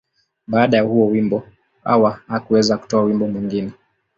Baada ya huo wimbo, Hawa hakuweza kutoa wimbo mwingine.